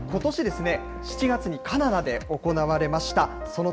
ことし７月にカナダで行われました。